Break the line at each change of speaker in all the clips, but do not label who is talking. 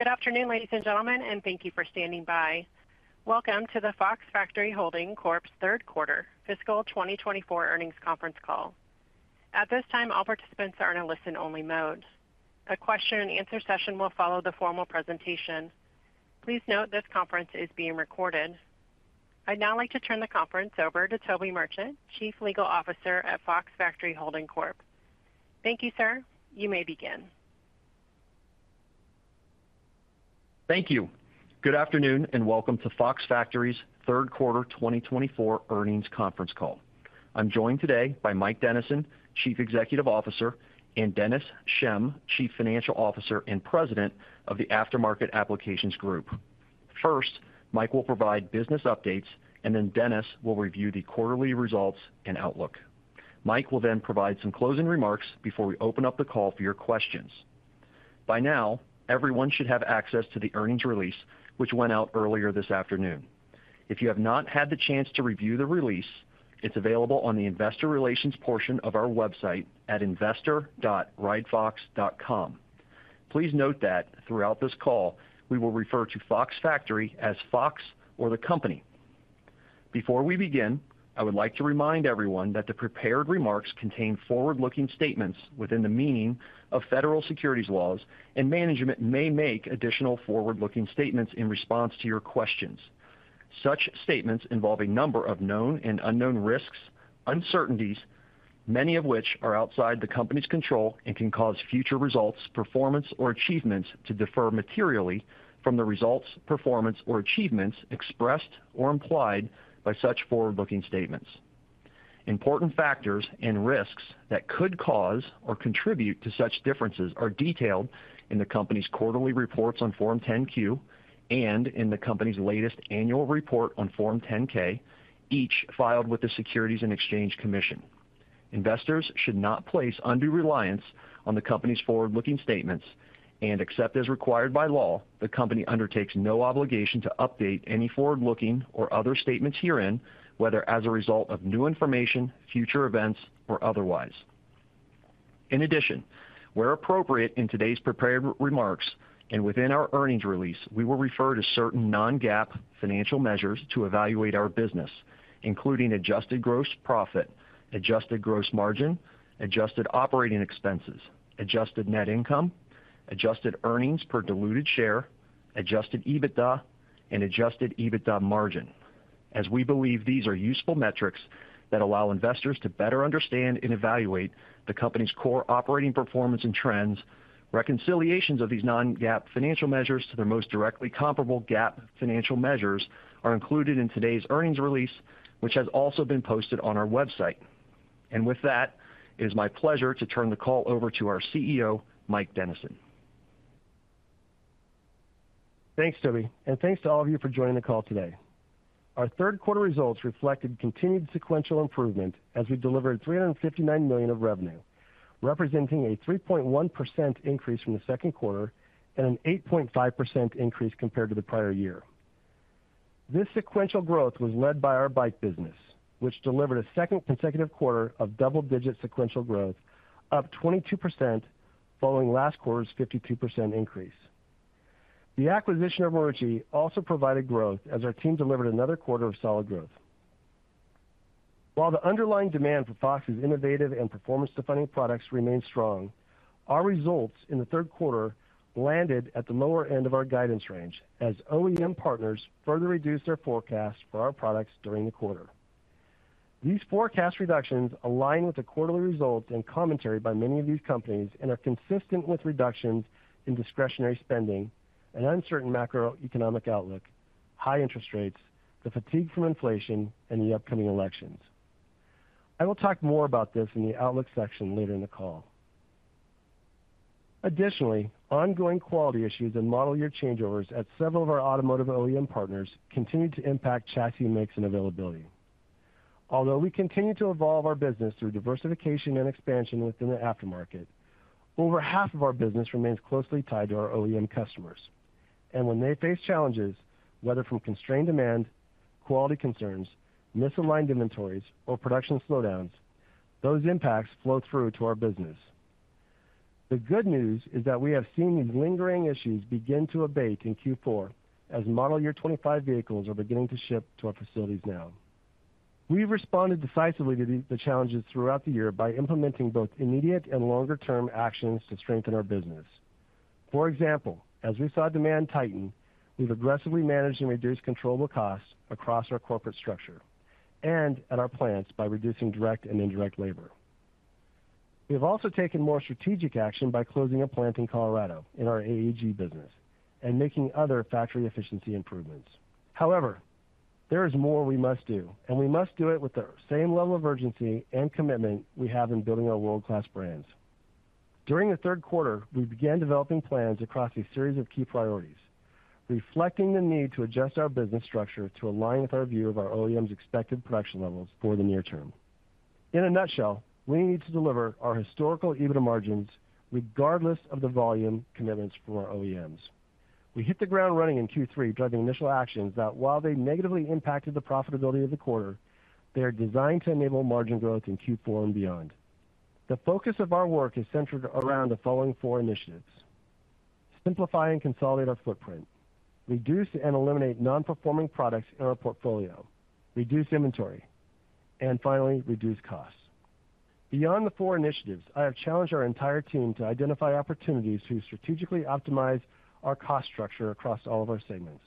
Good afternoon, ladies and gentlemen, and thank you for standing by. Welcome to the Fox Factory Holding Corp.'s Third Quarter Fiscal 2024 Earnings Conference Call. At this time, all participants are in a listen-only mode. A question and answer session will follow the formal presentation. Please note this conference is being recorded. I'd now like to turn the conference over to Toby Merchant, Chief Legal Officer at Fox Factory Holding Corp. Thank you, sir. You may begin.
Thank you. Good afternoon, and welcome to Fox Factory's third quarter 2024 earnings conference call. I'm joined today by Mike Dennison, Chief Executive Officer, and Dennis Schemm, Chief Financial Officer and President of the Aftermarket Applications Group. First, Mike will provide business updates, and then Dennis will review the quarterly results and outlook. Mike will then provide some closing remarks before we open up the call for your questions. By now, everyone should have access to the earnings release, which went out earlier this afternoon. If you have not had the chance to review the release, it's available on the investor relations portion of our website at investor.foxfactory.com. Please note that throughout this call, we will refer to Fox Factory as Fox or the Company. Before we begin, I would like to remind everyone that the prepared remarks contain forward-looking statements within the meaning of federal securities laws, and management may make additional forward-looking statements in response to your questions. Such statements involve a number of known and unknown risks, uncertainties, many of which are outside the company's control and can cause future results, performance, or achievements to differ materially from the results, performance, or achievements expressed or implied by such forward-looking statements. Important factors and risks that could cause or contribute to such differences are detailed in the company's quarterly reports on Form 10-Q and in the company's latest annual report on Form 10-K, each filed with the Securities and Exchange Commission. Investors should not place undue reliance on the company's forward-looking statements and, except as required by law, the company undertakes no obligation to update any forward-looking or other statements herein, whether as a result of new information, future events, or otherwise. In addition, where appropriate in today's prepared remarks and within our earnings release, we will refer to certain non-GAAP financial measures to evaluate our business, including Adjusted Gross Profit, Adjusted Gross Margin, Adjusted Operating Expenses, Adjusted Net Income, Adjusted Earnings per Diluted Share, Adjusted EBITDA, and Adjusted EBITDA Margin. As we believe these are useful metrics that allow investors to better understand and evaluate the company's core operating performance and trends, reconciliations of these non-GAAP financial measures to their most directly comparable GAAP financial measures are included in today's earnings release, which has also been posted on our website. With that, it is my pleasure to turn the call over to our CEO, Mike Dennison.
Thanks, Toby, and thanks to all of you for joining the call today. Our third quarter results reflected continued sequential improvement as we delivered $359 million of revenue, representing a 3.1% increase from the second quarter and an 8.5% increase compared to the prior year. This sequential growth was led by our bike business, which delivered a second consecutive quarter of double-digit sequential growth, up 22% following last quarter's 52% increase. The acquisition of Marucci also provided growth as our team delivered another quarter of solid growth. While the underlying demand for Fox's innovative and performance-defining products remained strong, our results in the third quarter landed at the lower end of our guidance range as OEM partners further reduced their forecasts for our products during the quarter. These forecast reductions align with the quarterly results and commentary by many of these companies and are consistent with reductions in discretionary spending, an uncertain macroeconomic outlook, high interest rates, the fatigue from inflation, and the upcoming elections. I will talk more about this in the outlook section later in the call. Additionally, ongoing quality issues and model year changeovers at several of our automotive OEM partners continue to impact chassis mix and availability. Although we continue to evolve our business through diversification and expansion within the aftermarket, over half of our business remains closely tied to our OEM customers, and when they face challenges, whether from constrained demand, quality concerns, misaligned inventories, or production slowdowns, those impacts flow through to our business. The good news is that we have seen these lingering issues begin to abate in Q4 as Model Year '25 vehicles are beginning to ship to our facilities now. We've responded decisively to the challenges throughout the year by implementing both immediate and longer-term actions to strengthen our business. For example, as we saw demand tighten, we've aggressively managed and reduced controllable costs across our corporate structure and at our plants by reducing direct and indirect labor. We have also taken more strategic action by closing a plant in Colorado in our AAG business and making other factory efficiency improvements. However, there is more we must do, and we must do it with the same level of urgency and commitment we have in building our world-class brands. During the third quarter, we began developing plans across a series of key priorities, reflecting the need to adjust our business structure to align with our view of our OEMs' expected production levels for the near term. In a nutshell, we need to deliver our historical EBITDA margins regardless of the volume commitments for our OEMs. We hit the ground running in Q3, driving initial actions that, while they negatively impacted the profitability of the quarter, they are designed to enable margin growth in Q4 and beyond. The focus of our work is centered around the following four initiatives: simplify and consolidate our footprint, reduce and eliminate non-performing products in our portfolio, reduce inventory, and finally, reduce costs. Beyond the four initiatives, I have challenged our entire team to identify opportunities to strategically optimize our cost structure across all of our segments.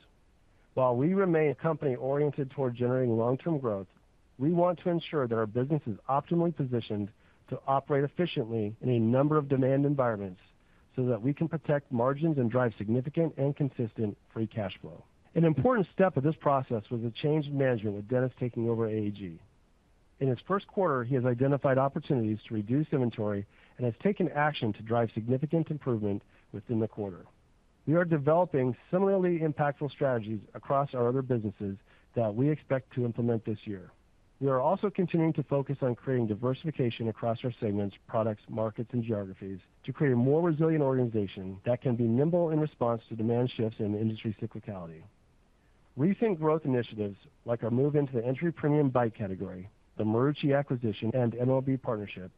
While we remain a company oriented toward generating long-term growth, we want to ensure that our business is optimally positioned to operate efficiently in a number of demand environments so that we can protect margins and drive significant and consistent free cash flow. An important step of this process was the change in management with Dennis taking over AAG. In its first quarter, he has identified opportunities to reduce inventory and has taken action to drive significant improvement within the quarter. We are developing similarly impactful strategies across our other businesses that we expect to implement this year. We are also continuing to focus on creating diversification across our segments, products, markets, and geographies to create a more resilient organization that can be nimble in response to demand shifts and industry cyclicality. Recent growth initiatives, like our move into the entry premium bike category, the Marucci acquisition and MLB partnership,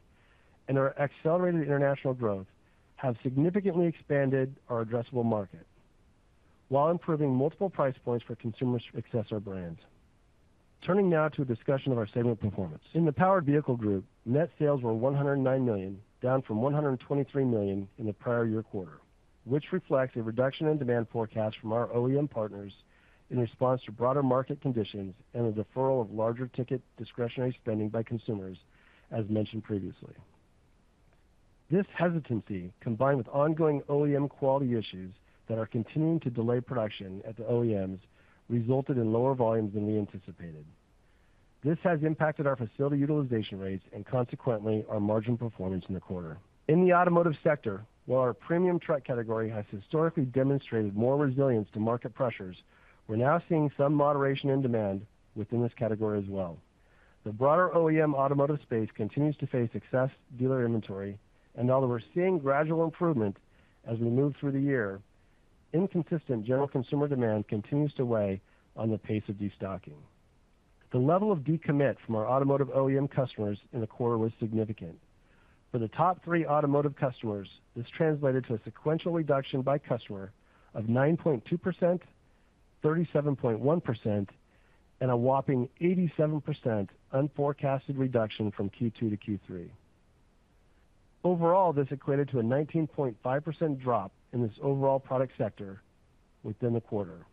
and our accelerated international growth have significantly expanded our addressable market while improving multiple price points for consumers to access our brands. Turning now to a discussion of our segment performance. In the Powered Vehicle Group, net sales were $109 million, down from $123 million in the prior year quarter, which reflects a reduction in demand forecast from our OEM partners in response to broader market conditions and the deferral of larger ticket discretionary spending by consumers, as mentioned previously. This hesitancy, combined with ongoing OEM quality issues that are continuing to delay production at the OEMs, resulted in lower volumes than we anticipated. This has impacted our facility utilization rates and, consequently, our margin performance in the quarter. In the automotive sector, while our premium truck category has historically demonstrated more resilience to market pressures, we're now seeing some moderation in demand within this category as well. The broader OEM automotive space continues to face excess dealer inventory, and although we're seeing gradual improvement as we move through the year, inconsistent general consumer demand continues to weigh on the pace of destocking. The level of de-commit from our automotive OEM customers in the quarter was significant. For the top three automotive customers, this translated to a sequential reduction by customer of 9.2%, 37.1%, and a whopping 87% unforecasted reduction from Q2 to Q3. Overall, this equated to a 19.5% drop in this overall product sector within the quarter.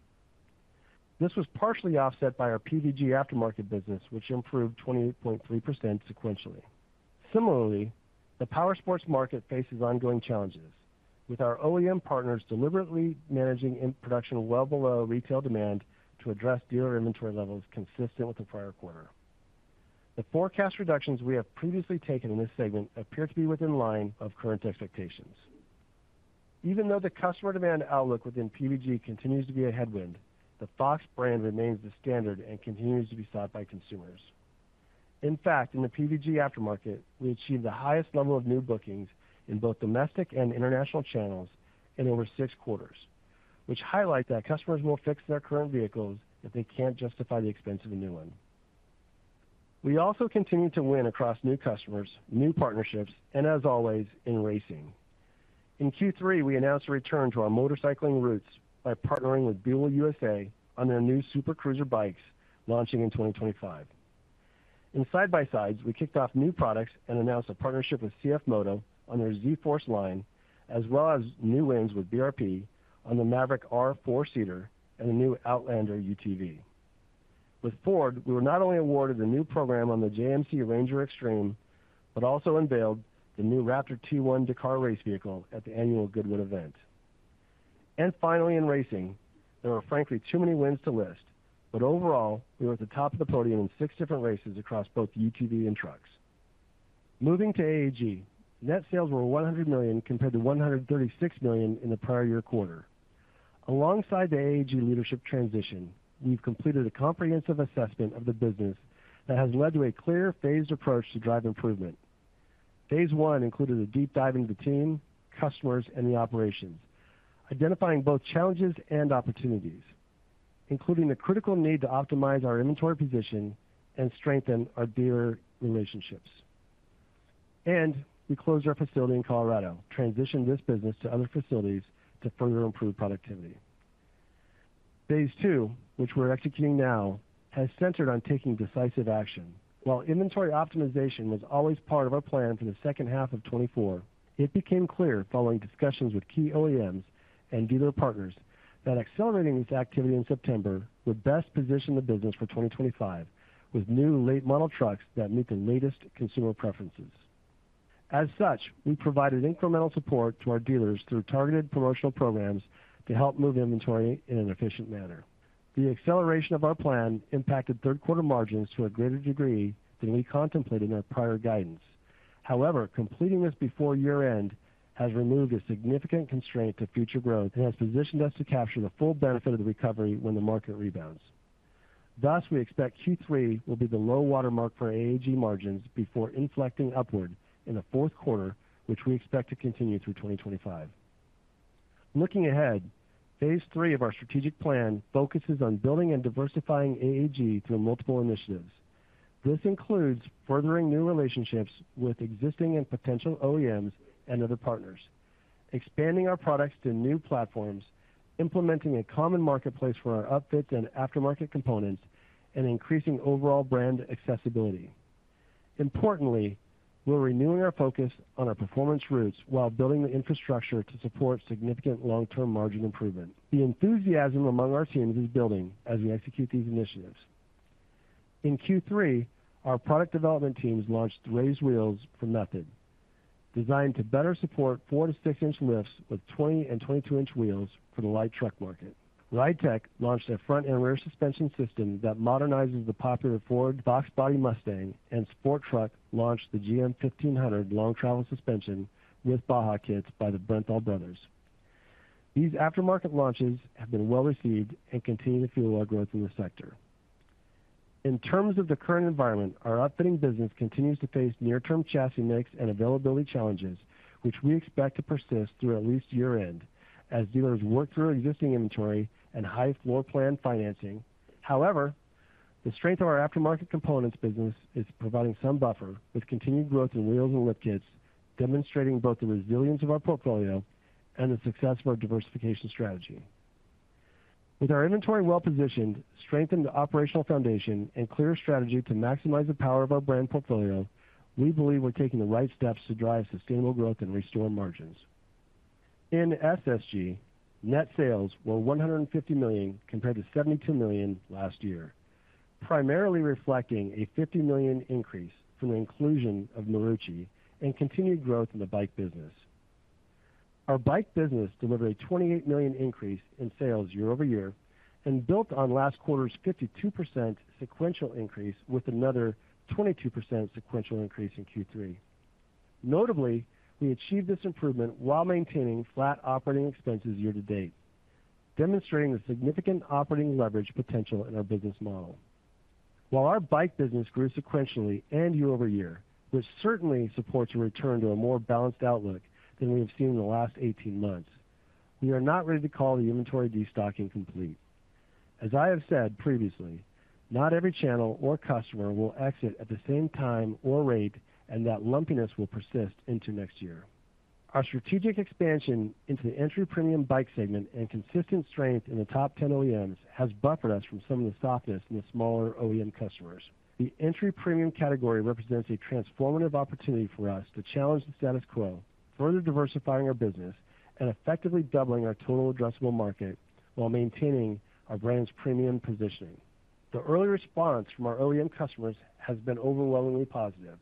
This was partially offset by our PVG aftermarket business, which improved 28.3% sequentially. Similarly, the power sports market faces ongoing challenges, with our OEM partners deliberately managing production well below retail demand to address dealer inventory levels consistent with the prior quarter. The forecast reductions we have previously taken in this segment appear to be in line of current expectations. Even though the customer demand outlook within PVG continues to be a headwind, the Fox brand remains the standard and continues to be sought by consumers. In fact, in the PVG aftermarket, we achieved the highest level of new bookings in both domestic and international channels in over six quarters, which highlights that customers will fix their current vehicles if they can't justify the expense of a new one. We also continue to win across new customers, new partnerships, and, as always, in racing. In Q3, we announced a return to our motorcycling routes by partnering with Buell on their new Super Cruiser bikes launching in 2025. In side-by-sides, we kicked off new products and announced a partnership with CFMOTO on their ZFORCE line, as well as new wins with BRP on the Maverick R 4-seater and the new Outlander UTV. With Ford, we were not only awarded the new program on the JMC Ranger Extreme, but also unveiled the new Raptor T1 Dakar race vehicle at the annual Goodwood event. And finally, in racing, there are frankly too many wins to list, but overall, we were at the top of the podium in six different races across both UTV and trucks. Moving to AAG, net sales were $100 million compared to $136 million in the prior year quarter. Alongside the AAG leadership transition, we've completed a comprehensive assessment of the business that has led to a clear phased approach to drive improvement. Phase 1 included a deep dive into the team, customers, and the operations, identifying both challenges and opportunities, including the critical need to optimize our inventory position and strengthen our dealer relationships, and we closed our facility in Colorado, transitioned this business to other facilities to further improve productivity. Phase 2, which we're executing now, has centered on taking decisive action. While inventory optimization was always part of our plan for the second half of 2024, it became clear following discussions with key OEMs and dealer partners that accelerating this activity in September would best position the business for 2025 with new late-model trucks that meet the latest consumer preferences. As such, we provided incremental support to our dealers through targeted promotional programs to help move inventory in an efficient manner. The acceleration of our plan impacted third-quarter margins to a greater degree than we contemplated in our prior guidance. However, completing this before year-end has removed a significant constraint to future growth and has positioned us to capture the full benefit of the recovery when the market rebounds. Thus, we expect Q3 will be the low watermark for AAG margins before inflecting upward in the fourth quarter, which we expect to continue through 2025. Looking ahead, Phase 3 of our strategic plan focuses on building and diversifying AAG through multiple initiatives. This includes furthering new relationships with existing and potential OEMs and other partners, expanding our products to new platforms, implementing a common marketplace for our upfits and aftermarket components, and increasing overall brand accessibility. Importantly, we're renewing our focus on our performance routes while building the infrastructure to support significant long-term margin improvement. The enthusiasm among our teams is building as we execute these initiatives. In Q3, our product development teams launched Race Wheels from Method, designed to better support 4-6-inch lifts with 20- and 22-inch wheels for the light truck market. RideTech launched a front and rear suspension system that modernizes the popular Ford Fox Body Mustang, and Sport Truck launched the GM 1500 long-travel suspension with Baja Kits by the Brenthel Brothers. These aftermarket launches have been well received and continue to fuel our growth in the sector. In terms of the current environment, our upfitting business continues to face near-term chassis mix and availability challenges, which we expect to persist through at least year-end as dealers work through existing inventory and high floor plan financing. However, the strength of our aftermarket components business is providing some buffer with continued growth in wheels and lift kits, demonstrating both the resilience of our portfolio and the success of our diversification strategy. With our inventory well positioned, strengthened operational foundation, and clear strategy to maximize the power of our brand portfolio, we believe we're taking the right steps to drive sustainable growth and restore margins. In SSG, net sales were $150 million compared to $72 million last year, primarily reflecting a $50 million increase from the inclusion of Marucci and continued growth in the bike business. Our bike business delivered a $28 million increase in sales year over year and built on last quarter's 52% sequential increase with another 22% sequential increase in Q3. Notably, we achieved this improvement while maintaining flat operating expenses year to date, demonstrating the significant operating leverage potential in our business model. While our bike business grew sequentially and year over year, which certainly supports a return to a more balanced outlook than we have seen in the last 18 months, we are not ready to call the inventory destocking complete. As I have said previously, not every channel or customer will exit at the same time or rate, and that lumpiness will persist into next year. Our strategic expansion into the entry premium bike segment and consistent strength in the top 10 OEMs has buffered us from some of the softness in the smaller OEM customers. The entry premium category represents a transformative opportunity for us to challenge the status quo, further diversifying our business and effectively doubling our total addressable market while maintaining our brand's premium positioning. The early response from our OEM customers has been overwhelmingly positive,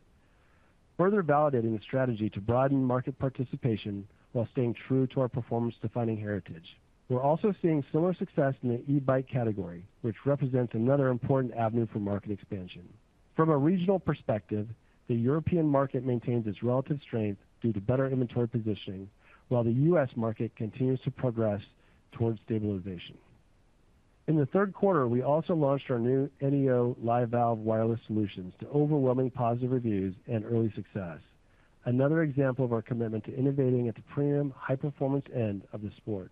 further validating the strategy to broaden market participation while staying true to our performance-defining heritage. We're also seeing similar success in the e-bike category, which represents another important avenue for market expansion. From a regional perspective, the European market maintains its relative strength due to better inventory positioning, while the U.S. market continues to progress towards stabilization. In the third quarter, we also launched our new Neo Live Valve wireless solutions to overwhelming positive reviews and early success, another example of our commitment to innovating at the premium high-performance end of the sport.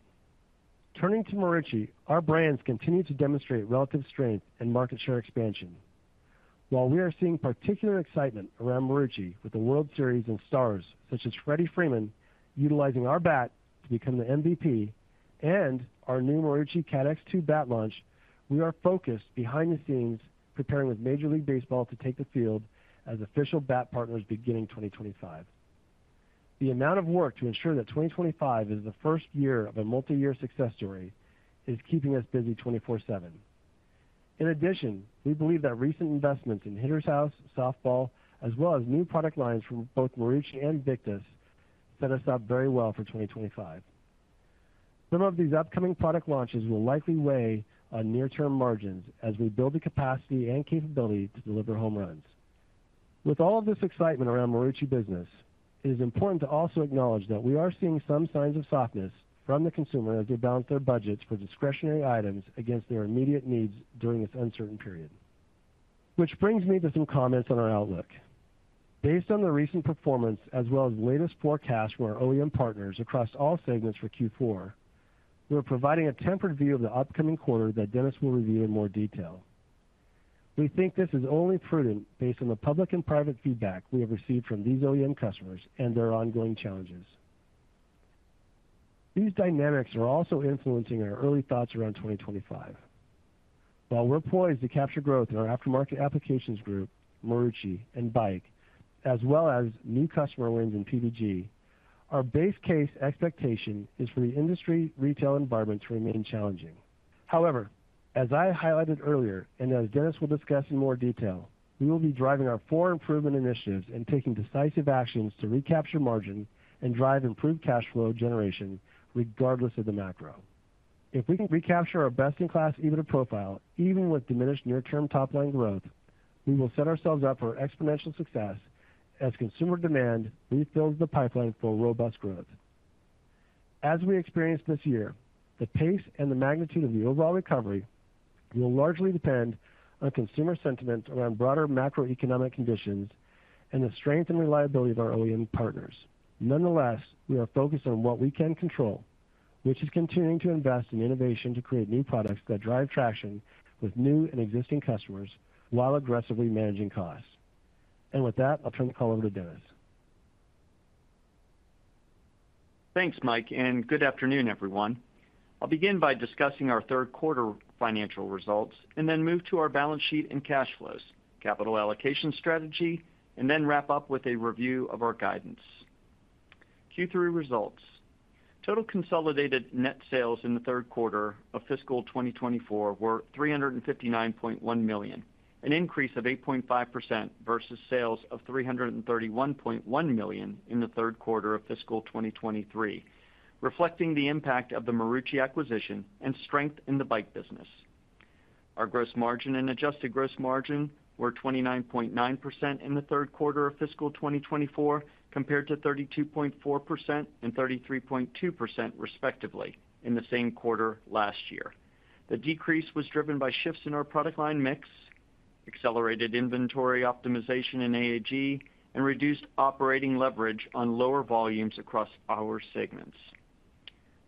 Turning to Marucci, our brands continue to demonstrate relative strength and market share expansion. While we are seeing particular excitement around Marucci with the World Series and stars such as Freddie Freeman utilizing our bat to become the MVP and our new Marucci CATX2 bat launch, we are focused behind the scenes preparing with Major League Baseball to take the field as official bat partners beginning 2025. The amount of work to ensure that 2025 is the first year of a multi-year success story is keeping us busy 24/7. In addition, we believe that recent investments in Hitter's House, softball, as well as new product lines from both Marucci and Victus set us up very well for 2025. Some of these upcoming product launches will likely weigh on near-term margins as we build the capacity and capability to deliver home runs. With all of this excitement around Marucci business, it is important to also acknowledge that we are seeing some signs of softness from the consumer as they balance their budgets for discretionary items against their immediate needs during this uncertain period. Which brings me to some comments on our outlook. Based on the recent performance as well as latest forecasts from our OEM partners across all segments for Q4, we're providing a tempered view of the upcoming quarter that Dennis will review in more detail. We think this is only prudent based on the public and private feedback we have received from these OEM customers and their ongoing challenges. These dynamics are also influencing our early thoughts around 2025. While we're poised to capture growth in our aftermarket applications group, Marucci and bike, as well as new customer wins in PVG, our base case expectation is for the industry retail environment to remain challenging. However, as I highlighted earlier and as Dennis will discuss in more detail, we will be driving our four improvement initiatives and taking decisive actions to recapture margin and drive improved cash flow generation regardless of the macro. If we can recapture our best-in-class EBITDA profile, even with diminished near-term top-line growth, we will set ourselves up for exponential success as consumer demand refills the pipeline for robust growth. As we experience this year, the pace and the magnitude of the overall recovery will largely depend on consumer sentiment around broader macroeconomic conditions and the strength and reliability of our OEM partners. Nonetheless, we are focused on what we can control, which is continuing to invest in innovation to create new products that drive traction with new and existing customers while aggressively managing costs. And with that, I'll turn the call over to Dennis.
Thanks, Mike, and good afternoon, everyone. I'll begin by discussing our third-quarter financial results and then move to our balance sheet and cash flows, capital allocation strategy, and then wrap up with a review of our guidance. Q3 results. Total consolidated net sales in the third quarter of fiscal 2024 were $359.1 million, an increase of 8.5% versus sales of $331.1 million in the third quarter of fiscal 2023, reflecting the impact of the Marucci acquisition and strength in the bike business. Our gross margin and adjusted gross margin were 29.9% in the third quarter of fiscal 2024 compared to 32.4% and 33.2% respectively in the same quarter last year. The decrease was driven by shifts in our product line mix, accelerated inventory optimization in AAG, and reduced operating leverage on lower volumes across our segments.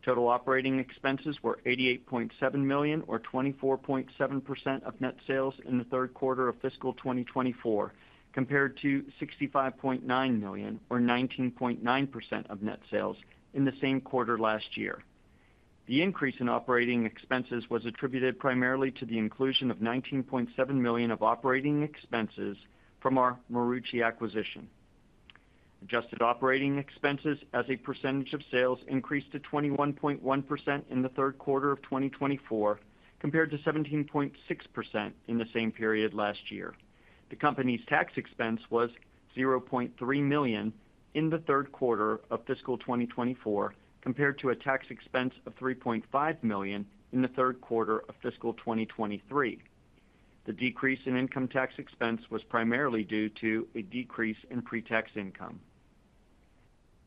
Total operating expenses were $88.7 million, or 24.7% of net sales in the third quarter of fiscal 2024, compared to $65.9 million, or 19.9% of net sales in the same quarter last year. The increase in operating expenses was attributed primarily to the inclusion of $19.7 million of operating expenses from our Marucci acquisition. Adjusted operating expenses as a percentage of sales increased to 21.1% in the third quarter of 2024 compared to 17.6% in the same period last year. The company's tax expense was $0.3 million in the third quarter of fiscal 2024 compared to a tax expense of $3.5 million in the third quarter of fiscal 2023. The decrease in income tax expense was primarily due to a decrease in pre-tax income.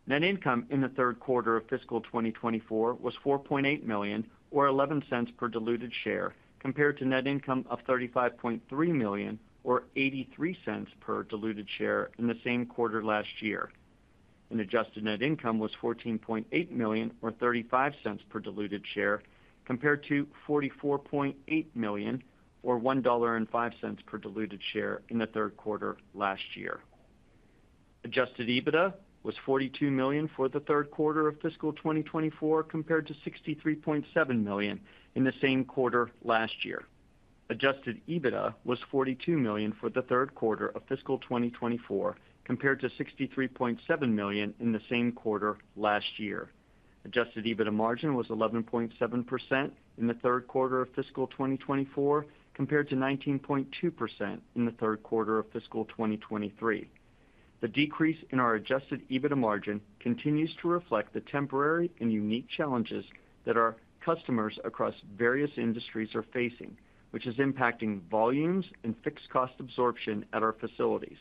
Net income in the third quarter of fiscal 2024 was $4.8 million, or $0.11 per diluted share, compared to net income of $35.3 million, or $0.83 per diluted share in the same quarter last year. Adjusted net income was $14.8 million, or $0.35 per diluted share, compared to $44.8 million, or $1.05 per diluted share in the third quarter last year. Adjusted EBITDA was $42 million for the third quarter of fiscal 2024 compared to $63.7 million in the same quarter last year. Adjusted EBITDA margin was 11.7% in the third quarter of fiscal 2024 compared to 19.2% in the third quarter of fiscal 2023. The decrease in our Adjusted EBITDA margin continues to reflect the temporary and unique challenges that our customers across various industries are facing, which is impacting volumes and fixed cost absorption at our facilities.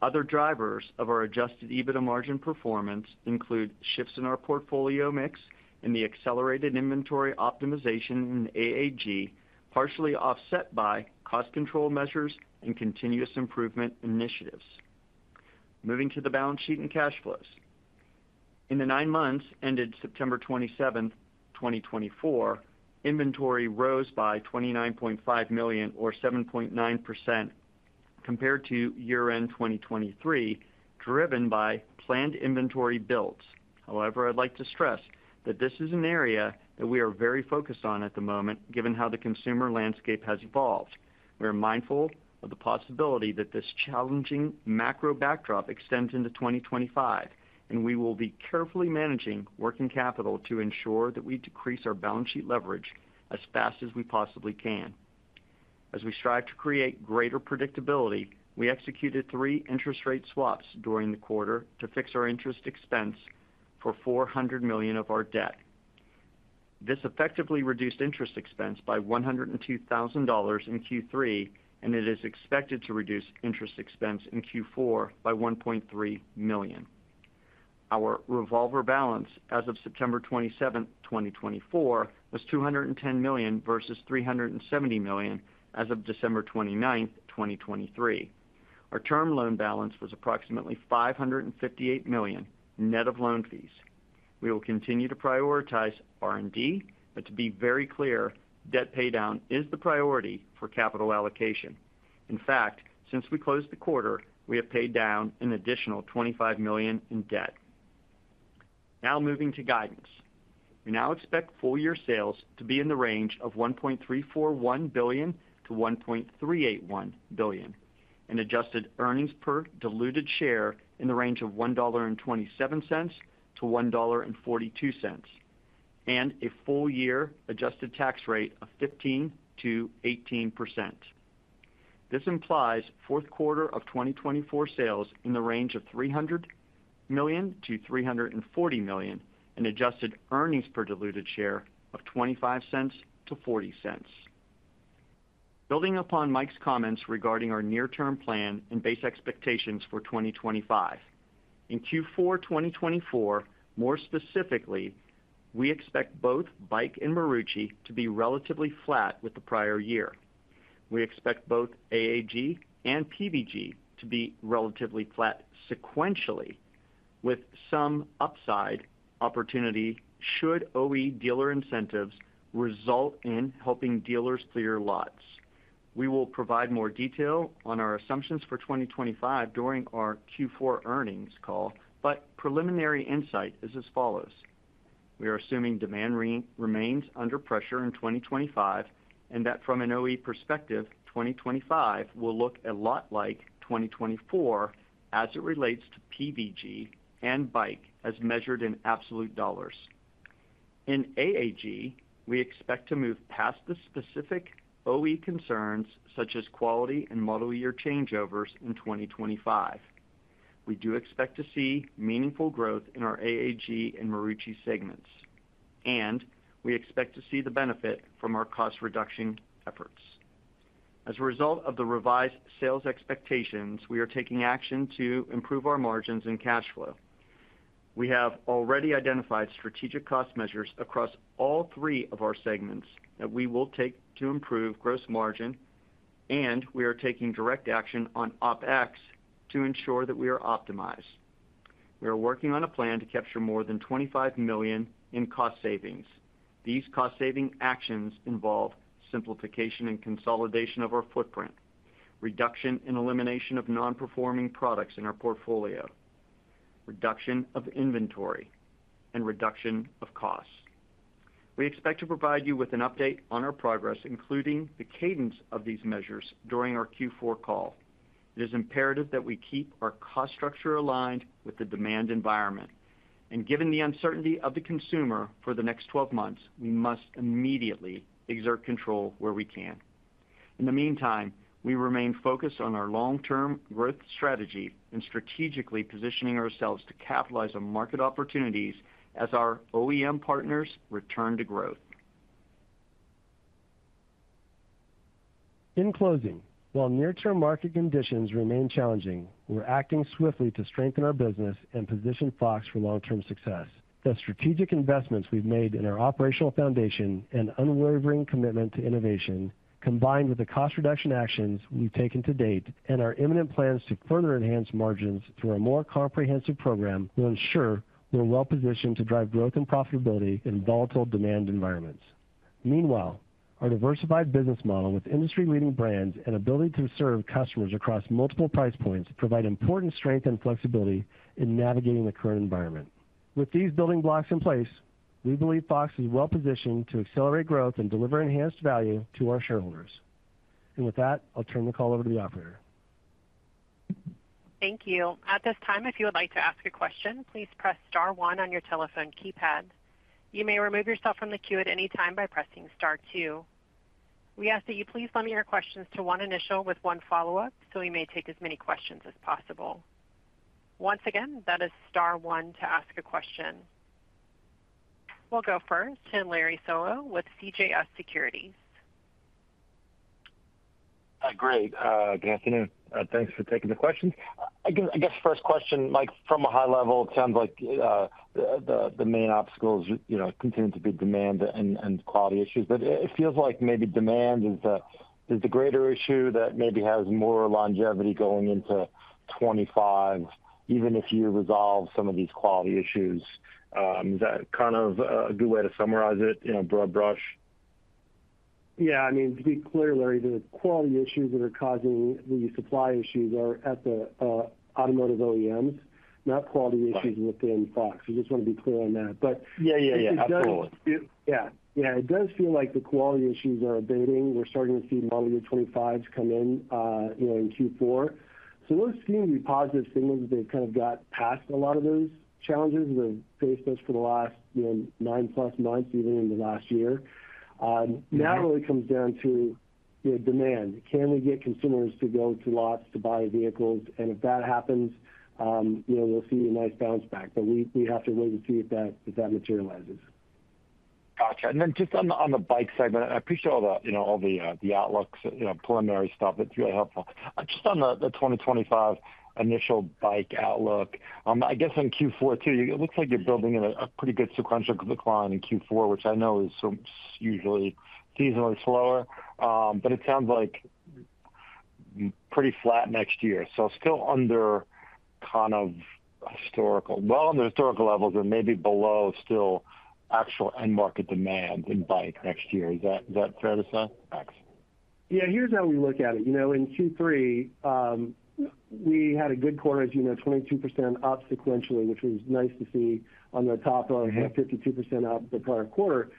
Other drivers of our Adjusted EBITDA margin performance include shifts in our portfolio mix and the accelerated inventory optimization in AAG, partially offset by cost control measures and continuous improvement initiatives. Moving to the balance sheet and cash flows. In the nine months ended September 27, 2024, inventory rose by $29.5 million, or 7.9%, compared to year-end 2023, driven by planned inventory builds. However, I'd like to stress that this is an area that we are very focused on at the moment, given how the consumer landscape has evolved. We are mindful of the possibility that this challenging macro backdrop extends into 2025, and we will be carefully managing working capital to ensure that we decrease our balance sheet leverage as fast as we possibly can. As we strive to create greater predictability, we executed three interest rate swaps during the quarter to fix our interest expense for $400 million of our debt. This effectively reduced interest expense by $102,000 in Q3, and it is expected to reduce interest expense in Q4 by $1.3 million. Our revolver balance as of September 27, 2024, was $210 million versus $370 million as of December 29, 2023. Our term loan balance was approximately $558 million net of loan fees. We will continue to prioritize R&D, but to be very clear, debt paydown is the priority for capital allocation. In fact, since we closed the quarter, we have paid down an additional $25 million in debt. Now moving to guidance. We now expect full-year sales to be in the range of $1.341 billion to $1.381 billion, and adjusted earnings per diluted share in the range of $1.27 to $1.42, and a full-year adjusted tax rate of 15% to 18%. This implies fourth quarter of 2024 sales in the range of $300 million to $340 million, and adjusted earnings per diluted share of $0.25 to $0.40. Building upon Mike's comments regarding our near-term plan and base expectations for 2025, in Q4 2024, more specifically, we expect both bike and Marucci to be relatively flat with the prior year. We expect both AAG and PVG to be relatively flat sequentially, with some upside opportunity should OE dealer incentives result in helping dealers clear lots. We will provide more detail on our assumptions for 2025 during our Q4 earnings call, but preliminary insight is as follows. We are assuming demand remains under pressure in 2025 and that from an OE perspective, 2025 will look a lot like 2024 as it relates to PVG and bike as measured in absolute dollars. In AAG, we expect to move past the specific OE concerns such as quality and model year changeovers in 2025. We do expect to see meaningful growth in our AAG and Marucci segments, and we expect to see the benefit from our cost reduction efforts. As a result of the revised sales expectations, we are taking action to improve our margins and cash flow. We have already identified strategic cost measures across all three of our segments that we will take to improve gross margin, and we are taking direct action on OpEx to ensure that we are optimized. We are working on a plan to capture more than $25 million in cost savings. These cost-saving actions involve simplification and consolidation of our footprint, reduction and elimination of non-performing products in our portfolio, reduction of inventory, and reduction of costs. We expect to provide you with an update on our progress, including the cadence of these measures during our Q4 call. It is imperative that we keep our cost structure aligned with the demand environment, and given the uncertainty of the consumer for the next 12 months, we must immediately exert control where we can. In the meantime, we remain focused on our long-term growth strategy and strategically positioning ourselves to capitalize on market opportunities as our OEM partners return to growth. In closing, while near-term market conditions remain challenging, we're acting swiftly to strengthen our business and position Fox for long-term success. The strategic investments we've made in our operational foundation and unwavering commitment to innovation, combined with the cost reduction actions we've taken to date and our imminent plans to further enhance margins through a more comprehensive program, will ensure we're well-positioned to drive growth and profitability in volatile demand environments. Meanwhile, our diversified business model with industry-leading brands and ability to serve customers across multiple price points provide important strength and flexibility in navigating the current environment. With these building blocks in place, we believe Fox is well-positioned to accelerate growth and deliver enhanced value to our shareholders. And with that, I'll turn the call over to the operator.
Thank you. At this time, if you would like to ask a question, please press star one on your telephone keypad. You may remove yourself from the queue at any time by pressing star two. We ask that you please limit your questions to one initial with one follow-up, so we may take as many questions as possible. Once again, that is star two to ask a question. We'll go first to Larry Solow with CJS Securities.
Great. Good afternoon. Thanks for taking the question. I guess first question, Mike, from a high level, it sounds like the main obstacles continue to be demand and quality issues. But it feels like maybe demand is the greater issue that maybe has more longevity going into '25, even if you resolve some of these quality issues. Is that kind of a good way to summarize it, broad brush?
Yeah. I mean, to be clear, Larry, the quality issues that are causing the supply issues are at the automotive OEMs, not quality issues within Fox. We just want to be clear on that.
But yeah, absolutely.
It does feel like the quality issues are abating. We're starting to see model year '25s come in in Q4. So those seem to be positive signals that they've kind of got past a lot of those challenges. They've faced us for the last nine-plus months, even in the last year. Now it really comes down to demand. Can we get consumers to go to lots to buy vehicles, and if that happens, we'll see a nice bounce back. But we have to wait and see if that materializes.
Gotcha. And then just on the bike segment, I appreciate all the outlooks, preliminary stuff. It's really helpful. Just on the 2025 initial bike outlook, I guess in Q4 too, it looks like you're building in a pretty good sequential decline in Q4, which I know is usually seasonally slower. But it sounds like pretty flat next year. So still under kind of historical, well, under historical levels and maybe below still actual end market demand in bike next year. Is that fair to say?
Yeah. Here's how we look at it. In Q3, we had a good quarter, as you know, 22% up sequentially, which was nice to see on the top of 52% up the prior quarter.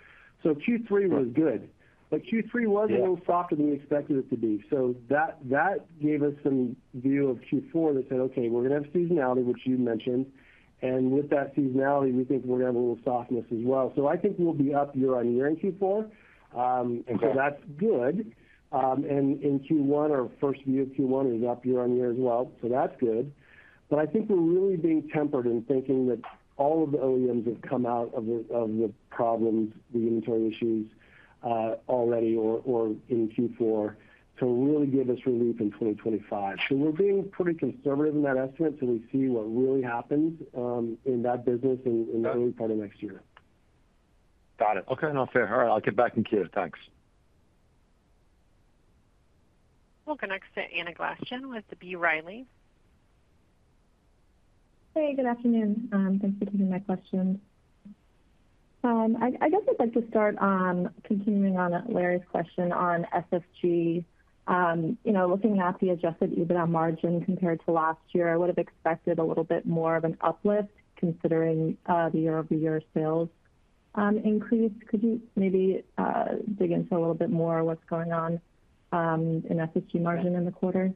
So Q3 was good. But Q3 was a little softer than we expected it to be. So that gave us some view of Q4 that said, "Okay, we're going to have seasonality," which you mentioned. And with that seasonality, we think we're going to have a little softness as well. So I think we'll be up year on year in Q4.
Yeah.
And so that's good. And in Q1, our first view of Q1 is up year on year as well. So that's good. But I think we're really being tempered in thinking that all of the OEMs have come out of the problems, the inventory issues already or in Q4 to really give us relief in 2025. So we're being pretty conservative in that estimate till we see what really happens in that business in the early part of next year.
Got it. Okay. No, fair. All right. I'll get back in queue. Thanks.
We'll connect to Anna Glaessgen with B. Riley. Hey, good afternoon. Thanks for taking my question. I guess I'd like to start on continuing on Larry's question on SSG. Looking at the Adjusted EBITDA margin compared to last year, I would have expected a little bit more of an uplift considering the year over year sales increase. Could you maybe dig into a little bit more of what's going on in SSG margin in the quarter?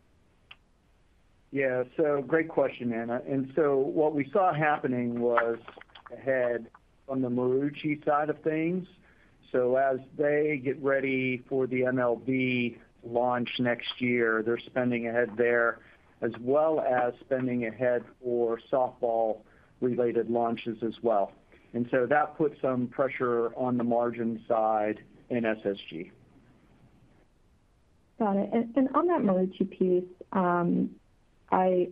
Yeah. So great question, Anna. And so what we saw happening was ahead on the Marucci side of things. So as they get ready for the MLB launch next year, they're spending ahead there as well as spending ahead for softball-related launches as well. And so that puts some pressure on the margin side in SSG.
Got it. And on that Marucci piece, I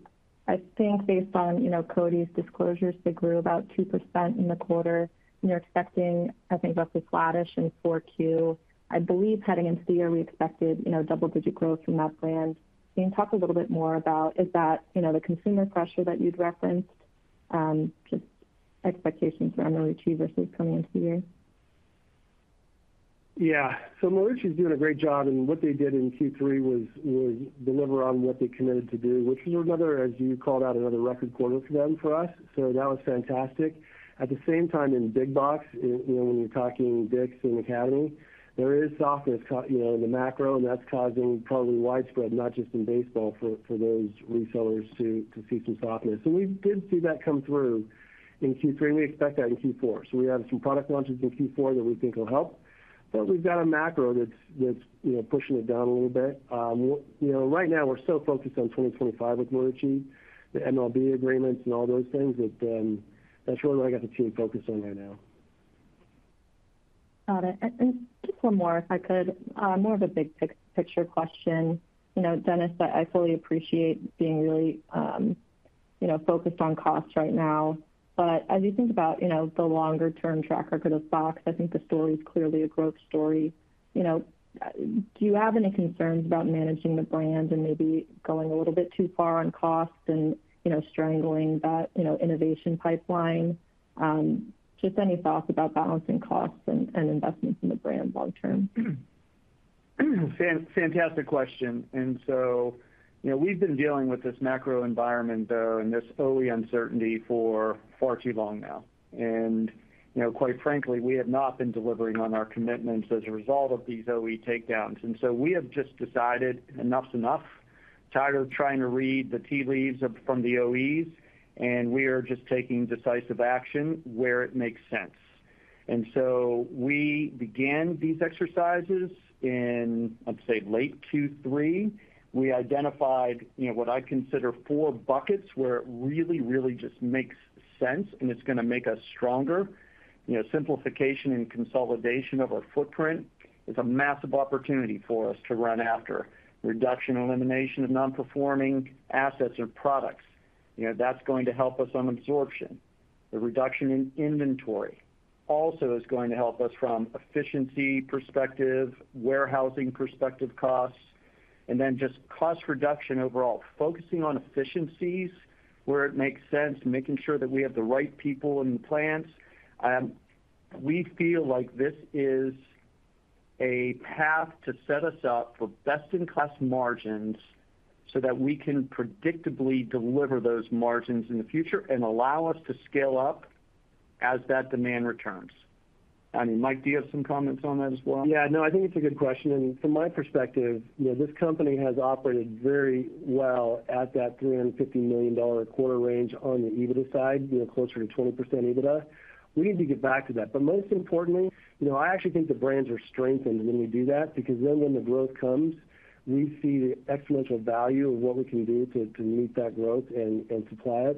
think based on CODI's disclosures, they grew about 2% in the quarter. And you're expecting, I think, roughly flattish in Q4. I believe heading into the year, we expected double-digit growth from that brand. Can you talk a little bit more about is that the consumer pressure that you'd referenced, just expectations for MLB versus coming into the year?
Yeah. So Marucci is doing a great job. And what they did in Q3 was deliver on what they committed to do, which was another, as you called out, another record quarter for them for us. So that was fantastic. At the same time, in big box, when you're talking Dick's and Academy, there is softness in the macro, and that's causing probably widespread, not just in baseball, for those resellers to see some softness. And we did see that come through in Q3, and we expect that in Q4. So we have some product launches in Q4 that we think will help. But we've got a macro that's pushing it down a little bit. Right now, we're so focused on 2025 with Marucci, the MLB agreements and all those things that that's really what I got the team focused on right now.
Got it. And just one more, if I could, more of a big picture question. Dennis, I fully appreciate being really focused on cost right now. But as you think about the longer-term track record of Fox, I think the story is clearly a growth story. Do you have any concerns about managing the brand and maybe going a little bit too far on costs and strangling that innovation pipeline? Just any thoughts about balancing costs and investments in the brand long-term?
Fantastic question. And so we've been dealing with this macro environment, though, and this OE uncertainty for far too long now. Quite frankly, we have not been delivering on our commitments as a result of these OE takedowns. We have just decided, enough's enough, tired of trying to read the tea leaves from the OEs, and we are just taking decisive action where it makes sense. We began these exercises in, I'd say, late Q3. We identified what I consider four buckets where it really, really just makes sense, and it's going to make us stronger. Simplification and consolidation of our footprint is a massive opportunity for us to run after reduction and elimination of non-performing assets and products. That's going to help us on absorption. The reduction in inventory also is going to help us from efficiency perspective, warehousing perspective costs, and then just cost reduction overall, focusing on efficiencies where it makes sense, making sure that we have the right people in the plants. We feel like this is a path to set us up for best-in-class margins so that we can predictably deliver those margins in the future and allow us to scale up as that demand returns. I mean, Mike, do you have some comments on that as well?
Yeah. No, I think it's a good question, and from my perspective, this company has operated very well at that $350 million quarter range on the EBITDA side, closer to 20% EBITDA. We need to get back to that, but most importantly, I actually think the brands are strengthened when we do that because then when the growth comes, we see the exponential value of what we can do to meet that growth and supply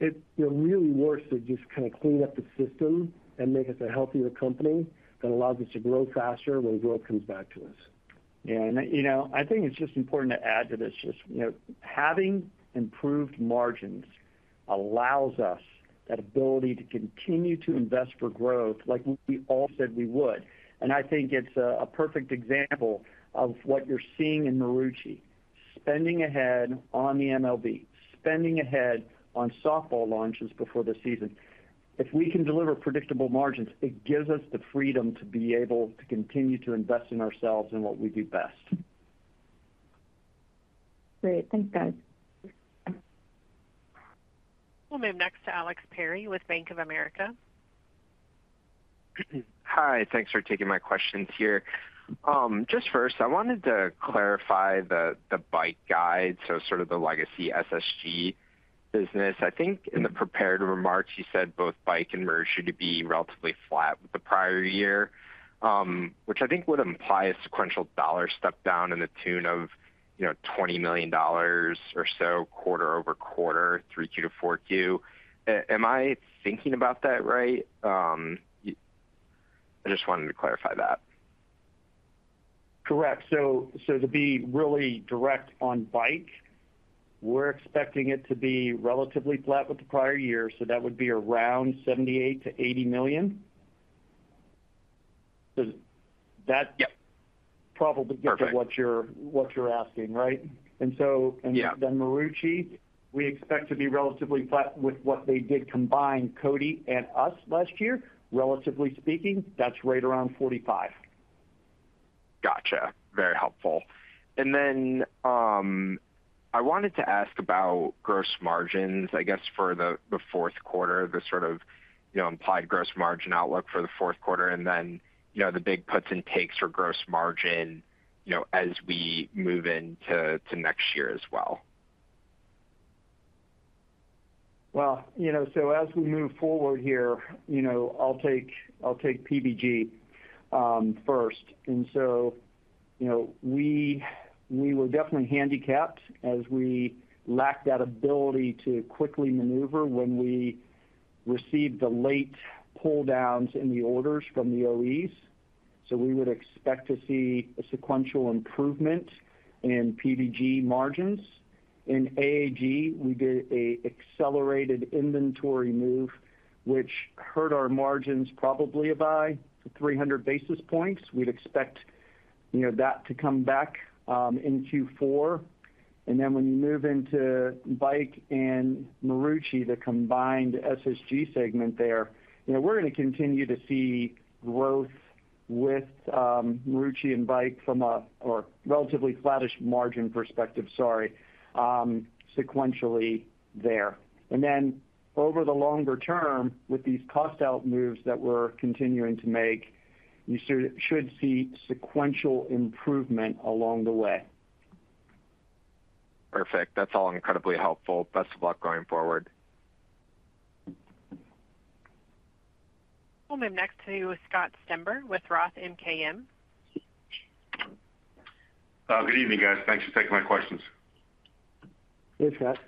it.It really works to just kind of clean up the system and make us a healthier company that allows us to grow faster when growth comes back to us.
Yeah. And I think it's just important to add to this just having improved margins allows us that ability to continue to invest for growth like we all said we would. And I think it's a perfect example of what you're seeing in Marucci, spending ahead on the MLB, spending ahead on softball launches before the season. If we can deliver predictable margins, it gives us the freedom to be able to continue to invest in ourselves and what we do best.
Great. Thanks, guys.
We'll move next to Alex Perry with Bank of America.
Hi. Thanks for taking my questions here. Just first, I wanted to clarify the bike side, so sort of the legacy SSG business. I think in the prepared remarks, you said both bike and Marucci to be relatively flat the prior year, which I think would imply a sequential dollar step down to the tune of $20 million or so quarter over quarter, Q3 to Q4. Am I thinking about that right? I just wanted to clarify that.
Correct. So to be really direct on bike, we're expecting it to be relatively flat with the prior year. So that would be around $78 million to $80 million. That's probably good for what you're asking, right? And so then Marucci, we expect to be relatively flat with what they did combined CODI and us last year. Relatively speaking, that's right around $45 million.
Gotcha. Very helpful. And then I wanted to ask about gross margins, I guess, for the fourth quarter, the sort of implied gross margin outlook for the fourth quarter, and then the big puts and takes for gross margin as we move into next year as well.
Well, so as we move forward here, I'll take PVG first. And so we were definitely handicapped as we lacked that ability to quickly maneuver when we received the late pull-downs in the orders from the OEs. So we would expect to see a sequential improvement in PVG margins. In AAG, we did an accelerated inventory move, which hurt our margins probably by 300 basis points. We'd expect that to come back in Q4. And then when you move into bike and Marucci, the combined SSG segment there, we're going to continue to see growth with Marucci and bike from a relatively flattish margin perspective, sorry, sequentially there. And then over the longer term, with these cost-out moves that we're continuing to make, you should see sequential improvement along the way.
Perfect. That's all incredibly helpful. Best of luck going forward.
We'll move next to Scott Stember with Roth MKM.
Good evening, guys. Thanks for taking my questions.
Hey, Scott.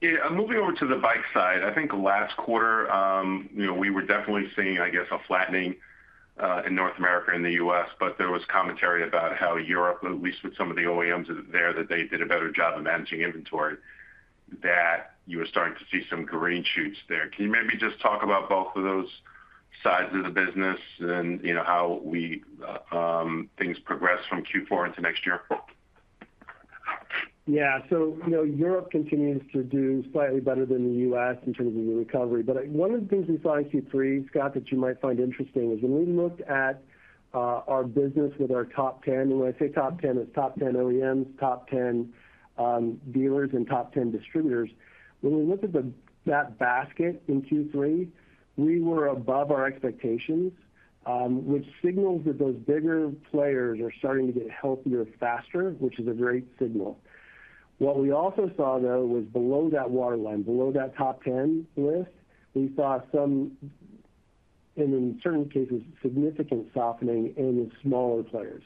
Yeah. Moving over to the bike side, I think last quarter, we were definitely seeing, I guess, a flattening in North America and the U.S., but there was commentary about how Europe, at least with some of the OEMs there, that they did a better job of managing inventory, that you were starting to see some green shoots there. Can you maybe just talk about both of those sides of the business and how things progressed from Q4 into next year?
Yeah. So Europe continues to do slightly better than the U.S. in terms of the recovery. But one of the things we saw in Q3, Scott, that you might find interesting is when we looked at our business with our top 10, and when I say top 10, it's top 10 OEMs, top 10 dealers, and top 10 distributors. When we looked at that basket in Q3, we were above our expectations, which signals that those bigger players are starting to get healthier faster, which is a great signal. What we also saw, though, was below that waterline, below that top 10 list, we saw some, in certain cases, significant softening in the smaller players.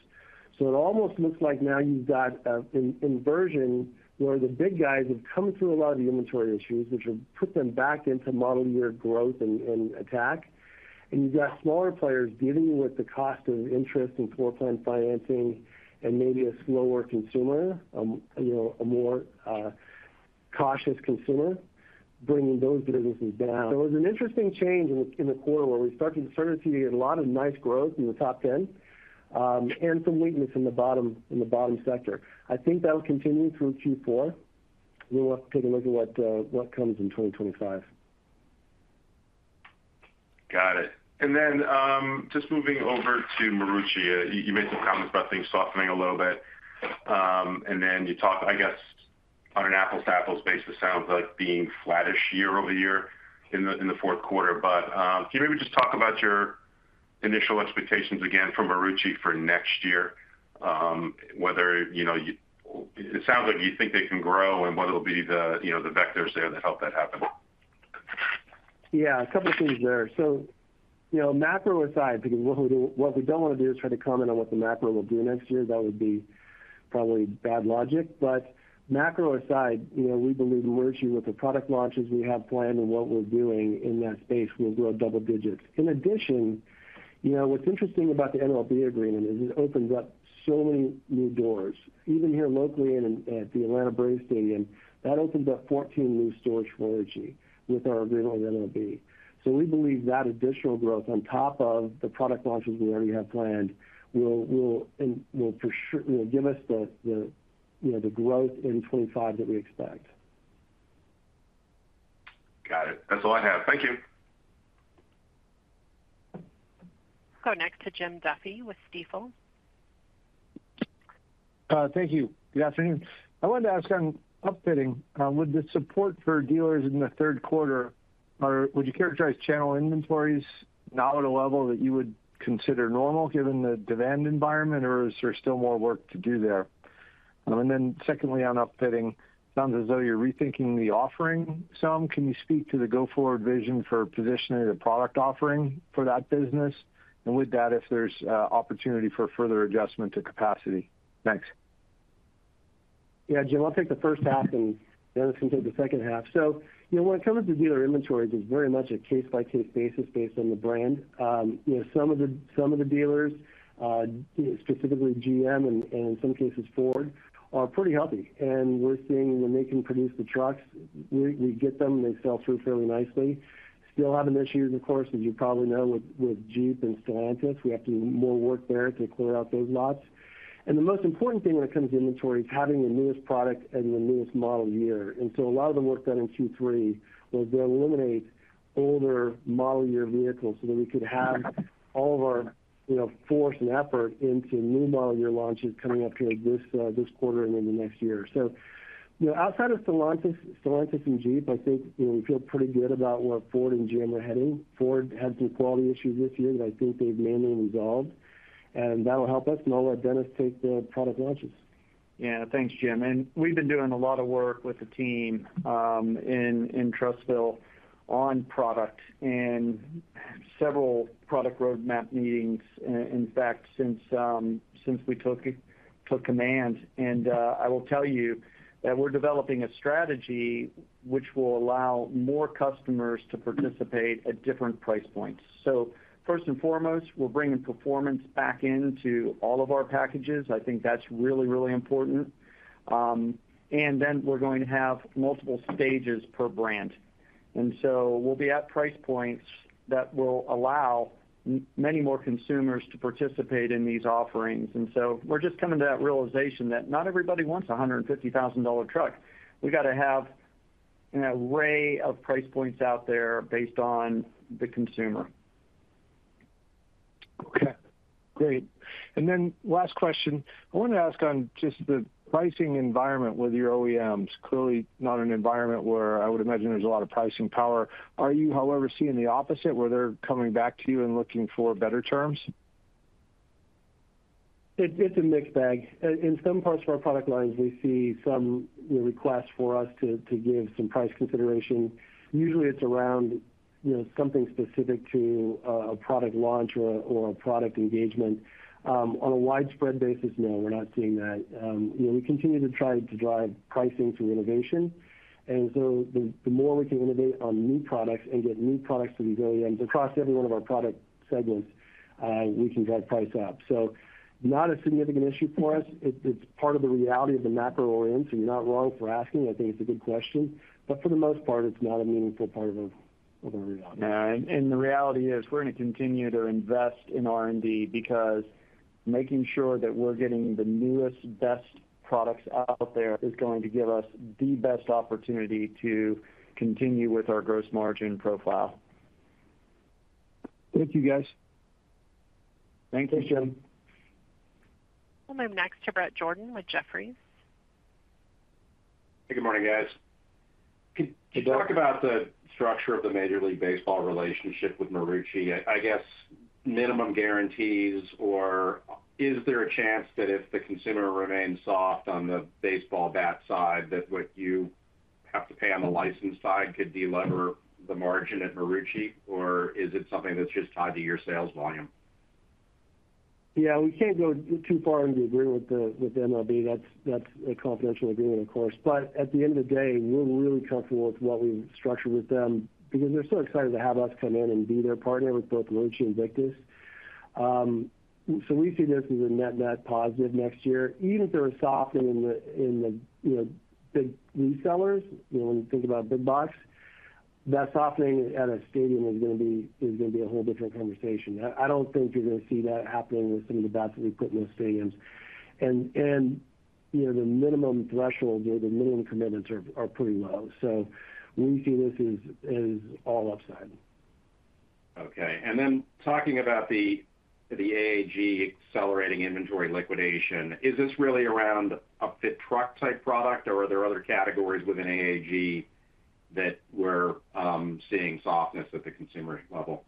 So it almost looks like now you've got an inversion where the big guys have come through a lot of the inventory issues, which have put them back into model year growth and attack. And you've got smaller players dealing with the cost of interest and floor plan financing and maybe a slower consumer, a more cautious consumer, bringing those businesses down. There was an interesting change in the quarter where we started to see a lot of nice growth in the top 10 and some weakness in the bottom sector. I think that'll continue through Q4. We'll have to take a look at what comes in 2025.
Got it. And then just moving over to Marucci, you made some comments about things softening a little bit. And then you talked, I guess, on an apples-to-apples basis, it sounds like being flattish year over year in the fourth quarter. But can you maybe just talk about your initial expectations again for Marucci for next year, whether it sounds like you think they can grow and what will be the vectors there that help that happen?
Yeah. A couple of things there. So macro aside, because what we don't want to do is try to comment on what the macro will do next year. That would be probably bad logic. But macro aside, we believe Marucci, with the product launches we have planned and what we're doing in that space, will grow double digits. In addition, what's interesting about the MLB agreement is it opens up so many new doors. Even here locally at the Atlanta Braves Stadium, that opens up 14 new stores for Marucci with our agreement with MLB. So we believe that additional growth on top of the product launches we already have planned will give us the growth in 2025 that we expect.
Got it. That's all I have.
Thank you.
Go next to Jim Duffy with Stifel.
Thank you. Good afternoon. I wanted to ask on upfitting. Would the support for dealers in the third quarter, would you characterize channel inventories now at a level that you would consider normal given the demand environment, or is there still more work to do there? And then secondly, on upfitting, it sounds as though you're rethinking the offering some. Can you speak to the go-forward vision for positioning the product offering for that business? And with that, if there's opportunity for further adjustment to capacity. Thanks.
Yeah. Jim, I'll take the first half, and Dennis can take the second half. So when it comes to dealer inventories, it's very much a case-by-case basis based on the brand. Some of the dealers, specifically GM and in some cases Ford, are pretty healthy. And we're seeing when they can produce the trucks, we get them, and they sell through fairly nicely. Still having issues, of course, as you probably know, with Jeep and Stellantis. We have to do more work there to clear out those lots. And the most important thing when it comes to inventory is having the newest product and the newest model year. And so a lot of the work done in Q3 was to eliminate older model year vehicles so that we could have all of our focus and effort into new model year launches coming up here this quarter and into next year. So outside of Stellantis and Jeep, I think we feel pretty good about where Ford and GM are heading. Ford had some quality issues this year that I think they've mainly resolved. And that'll help us now with Dennis taking the product launches.
Yeah. Thanks, Jim. And we've been doing a lot of work with the team in Trussville on product and several product roadmap meetings, in fact, since we took command. And I will tell you that we're developing a strategy which will allow more customers to participate at different price points. So first and foremost, we're bringing performance back into all of our packages. I think that's really, really important. And then we're going to have multiple stages per brand. And so we'll be at price points that will allow many more consumers to participate in these offerings. And so we're just coming to that realization that not everybody wants a $150,000 truck. We've got to have an array of price points out there based on the consumer.
Okay. Great. And then last question, I wanted to ask on just the pricing environment with your OEMs. Clearly not an environment where I would imagine there's a lot of pricing power. Are you, however, seeing the opposite, where they're coming back to you and looking for better terms?
It's a mixed bag. In some parts of our product lines, we see some requests for us to give some price consideration. Usually, it's around something specific to a product launch or a product engagement. On a widespread basis, no, we're not seeing that. We continue to try to drive pricing through innovation. And so the more we can innovate on new products and get new products to these OEMs across every one of our product segments, we can drive price up. So not a significant issue for us. It's part of the reality of the macro environment. You're not wrong for asking. I think it's a good question. But for the most part, it's not a meaningful part of our reality.
Yeah. And the reality is we're going to continue to invest in R&D because making sure that we're getting the newest, best products out there is going to give us the best opportunity to continue with our gross margin profile.
Thank you, guys.
Thank you, Jim.
We'll move next to Bret Jordan with Jefferies.
Hey, good morning, guys. Can you talk about the structure of the Major League Baseball relationship with Marucci? I guess minimum guarantees, or is there a chance that if the consumer remains soft on the baseball bat side, that what you have to pay on the license side could deliver the margin at Marucci, or is it something that's just tied to your sales volume?
Yeah. We can't go too far into agreeing with MLB. That's a confidential agreement, of course. But at the end of the day, we're really comfortable with what we've structured with them because they're so excited to have us come in and be their partner with both Marucci and Victus. So we see this as a net-net positive next year. Even if there was softening in the big resellers, when you think about big box, that softening at a stadium is going to be a whole different conversation. I don't think you're going to see that happening with some of the bats that we put in those stadiums, and the minimum thresholds or the minimum commitments are pretty low, so we see this as all upside.
Okay, and then talking about the AAG accelerating inventory liquidation, is this really around an upfit truck type product, or are there other categories within AAG that we're seeing softness at the consumer level?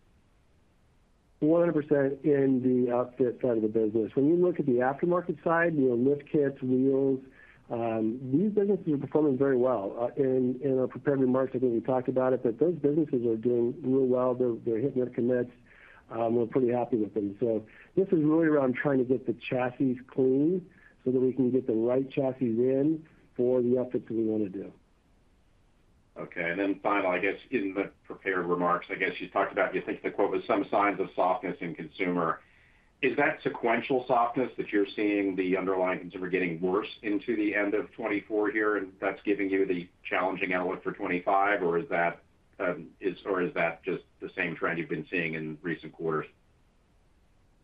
100% in the upfit side of the business. When you look at the aftermarket side, lift kits, wheels, these businesses are performing very well and are prepared to market. I think we talked about it, but those businesses are doing real well. They're hitting their commits. We're pretty happy with them. So this is really around trying to get the chassis clean so that we can get the right chassis in for the efforts that we want to do.
Okay. And then finally, I guess in the prepared remarks, I guess you talked about, you think the quote was some signs of softness in consumer. Is that sequential softness that you're seeing the underlying consumer getting worse into the end of 2024 here, and that's giving you the challenging outlook for 2025, or is that just the same trend you've been seeing in recent quarters?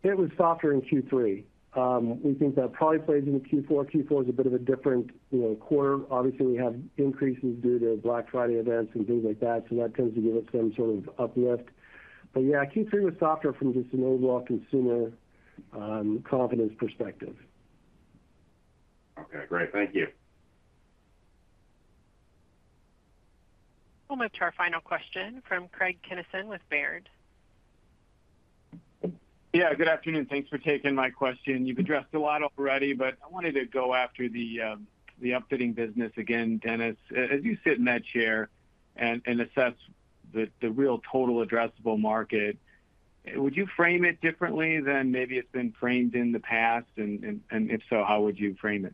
It was softer in Q3. We think that probably plays into Q4. Q4 is a bit of a different quarter. Obviously, we have increases due to Black Friday events and things like that. So that tends to give us some sort of uplift. But yeah, Q3 was softer from just an overall consumer confidence perspective.
Okay. Great. Thank you.
We'll move to our final question from Craig Kennison with Baird.
Yeah. Good afternoon. Thanks for taking my question. You've addressed a lot already, but I wanted to go after the upfitting business again, Dennis. As you sit in that chair and assess the real total addressable market, would you frame it differently than maybe it's been framed in the past? And if so, how would you frame it?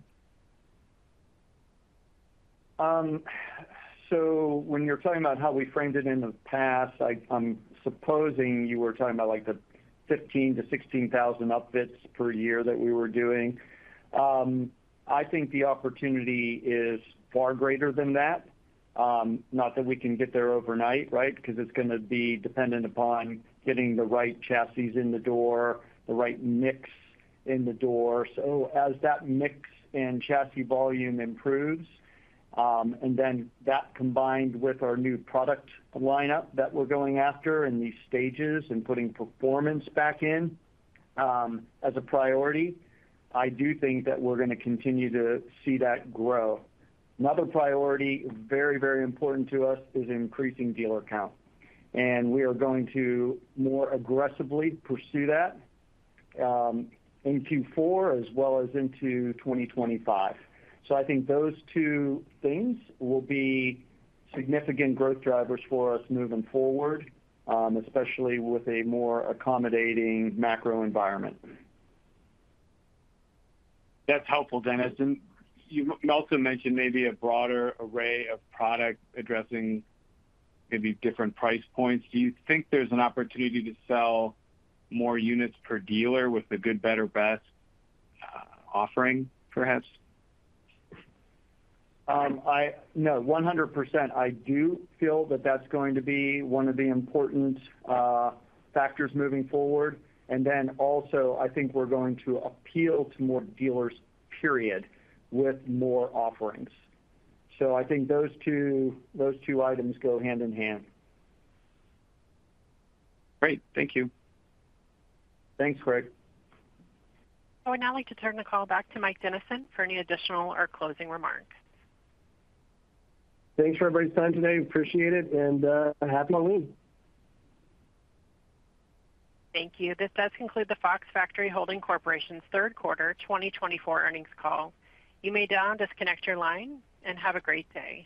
So when you're talking about how we framed it in the past, I'm supposing you were talking about the 15,000 to 16,000 upfits per year that we were doing. I think the opportunity is far greater than that. Not that we can get there overnight, right? Because it's going to be dependent upon getting the right chassis in the door, the right mix in the door. So as that mix and chassis volume improves, and then that combined with our new product lineup that we're going after in these stages and putting performance back in as a priority, I do think that we're going to continue to see that grow. Another priority very, very important to us is increasing dealer count. And we are going to more aggressively pursue that in Q4 as well as into 2025. So I think those two things will be significant growth drivers for us moving forward, especially with a more accommodating macro environment.
That's helpful, Dennis. And you also mentioned maybe a broader array of product addressing maybe different price points. Do you think there's an opportunity to sell more units per dealer with the good, better, best offering, perhaps?
No, 100%. I do feel that that's going to be one of the important factors moving forward. And then also, I think we're going to appeal to more dealers, period, with more offerings. So I think those two items go hand in hand.
Great. Thank you.
Thanks, Craig.
I would now like to turn the call back to Mike Dennison for any additional or closing remarks.
Thanks for everybody's time today. Appreciate it. And happy Halloween.
Thank you. This does conclude the Fox Factory Holding Corporation's Third Quarter 2024 Earnings Call. You may now disconnect your line and have a great day.